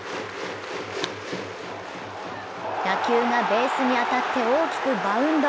打球がベースに当たって大きくバウンド。